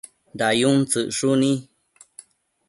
dayun tsëcshuni